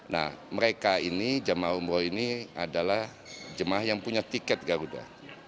nah mereka ini jemaah umroh ini adalah jemaah yang punya tiket garuda